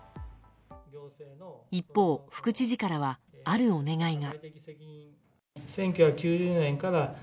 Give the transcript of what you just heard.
一方、副知事からはあるお願いが。